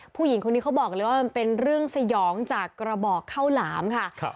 ผู้หญิงคนนี้เขาบอกเลยว่ามันเป็นเรื่องสยองจากกระบอกข้าวหลามค่ะ